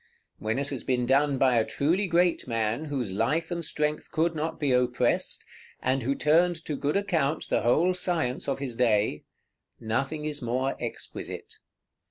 When it has been done by a truly great man, whose life and strength could not be oppressed, and who turned to good account the whole science of his day, nothing is more exquisite.